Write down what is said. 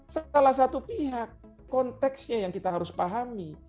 salah satu pihak konteksnya yang kita harus pahami